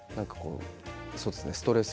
ストレス